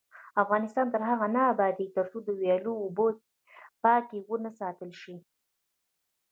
افغانستان تر هغو نه ابادیږي، ترڅو د ویالو اوبه پاکې ونه ساتل شي.